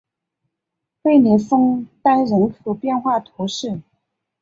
贝勒枫丹人口变化图示